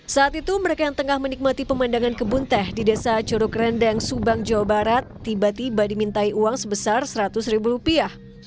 saat itu mereka yang tengah menikmati pemandangan kebun teh di desa curug rendang subang jawa barat tiba tiba dimintai uang sebesar seratus ribu rupiah